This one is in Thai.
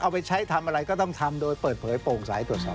เอาไปใช้ทำอะไรก็ต้องทำโดยเปิดเผยโปร่งสายตรวจสอบ